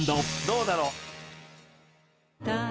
「どうだろう？」